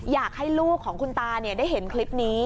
อยากให้ลูกของคุณตาได้เห็นคลิปนี้